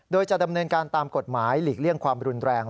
โดยจะดำเนินการตามกฎหมายหลีกเลี่ยงความรุนแรง